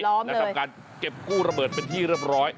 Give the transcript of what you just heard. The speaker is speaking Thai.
และทำการเก็บกู้ระเบิดเป็นที่เรียบร้อย